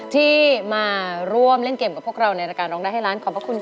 ที่มาร่วมเล่นเกมกับพวกเราในรายการร้องได้ให้ร้านขอบพระคุณค่ะ